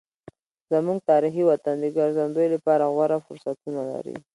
زموږ تاریخي وطن د ګرځندوی لپاره غوره فرصتونه لري.